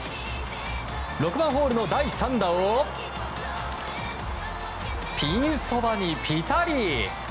６番ホールの第３打をピンそばにピタリ。